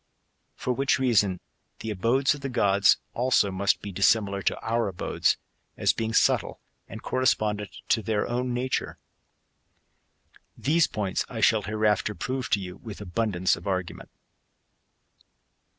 For which reason the abodes of the gods, also, must be dissimilar to our abodes, as being subtle, and correspondent to their own nature.^ These points I shall hereafter prove to you with abundance of argument.